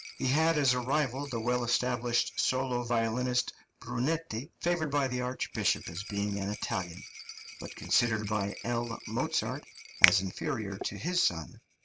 He had as a rival the well established solo violinist, Brunetti, favoured by the archbishop as being an Italian, but considered by L. Mozart as inferior to his son.